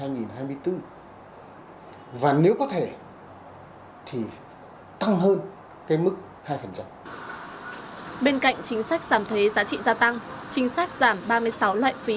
chính sách giảm ba mươi sáu loại phí